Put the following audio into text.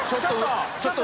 ちょっと。）